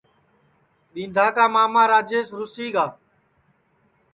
ٻیندھا کا ماما راجیش رُوسی گا ہے